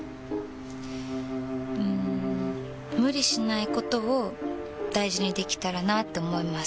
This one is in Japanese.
うん無理しないことを大事にできたらなって思います。